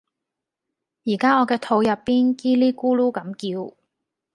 而家我嘅肚入邊 𠼻 咧咕嚕咁叫